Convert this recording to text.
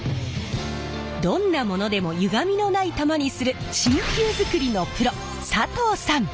どんなものでもゆがみのない球にする真球づくりのプロ佐藤さん！